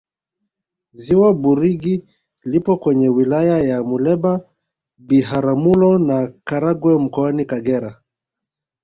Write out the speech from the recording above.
ziwa burigi lipo kwenye wilaya za muleba biharamulo na karagwe mkoani kagera